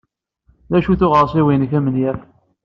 D acu-t uɣersiw-nnek amenyaf?